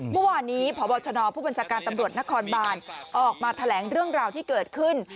เมื่อวานนี้พบชนผู้บัญชาการตำรวจนครบานออกมาแถลงเรื่องราวที่เกิดขึ้น